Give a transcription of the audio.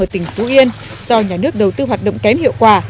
ở tỉnh phú yên do nhà nước đầu tư hoạt động kém hiệu quả